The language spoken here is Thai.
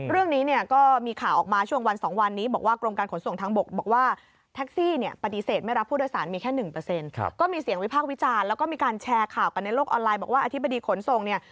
เราถูกเป็นข่าวกันในโลกออนไลน์บอกว่าอธิบดีขนส่งเนี่ย